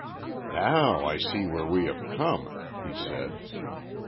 "Now I see where we have come," he said.